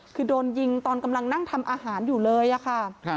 คือโดนยิงตอนกำลังนั่งทำอาหารอยู่เลยอะค่ะ